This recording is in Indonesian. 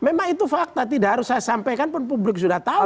memang itu fakta tidak harus saya sampaikan pun publik sudah tahu